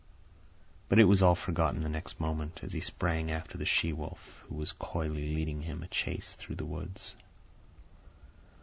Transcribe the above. But it was all forgotten the next moment, as he sprang after the she wolf, who was coyly leading him a chase through the woods.